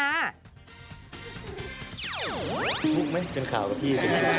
พี่พุกไหมเป็นข่าวกับพี่